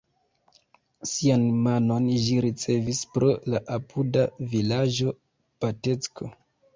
Sian nomon ĝi ricevis pro la apuda vilaĝo Batecko.